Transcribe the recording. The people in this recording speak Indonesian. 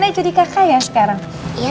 saya jadi kakak ya sekarang